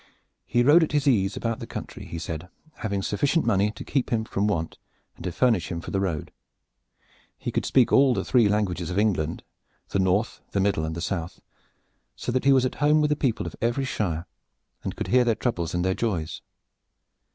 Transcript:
He rode at his ease about the country, he said, having sufficient money to keep him from want and to furnish him for the road. He could speak all the three languages of England, the north, the middle and the south, so that he was at home with the people of every shire and could hear their troubles and their joys.